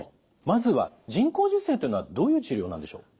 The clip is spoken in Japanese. まずは人工授精というのはどういう治療なんでしょう？